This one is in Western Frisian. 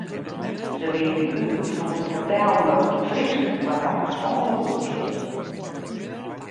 Se wie by ús om te fertellen wat it Frysk foar har persoanlik betsjut.